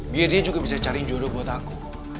biar dia juga bisa cariin jodoh buat aku